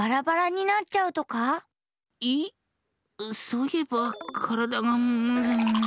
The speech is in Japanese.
そういえばからだがムズムズ。